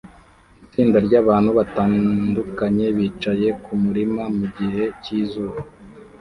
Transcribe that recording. Itsinda ryabantu batandukanye bicaye kumurima mugihe cyizuba